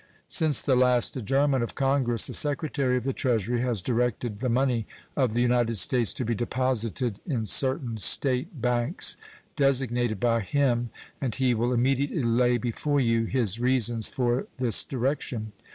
Since the last adjournment of Congress the Secretary of the Treasury has directed the money of the United States to be deposited in certain State banks designated by him, and he will immediately lay before you his reasons for this direction.